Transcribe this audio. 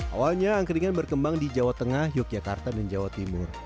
awalnya angkringan berkembang di jawa tengah yogyakarta dan jawa timur